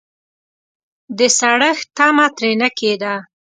د سړښت تمه ترې نه کېده.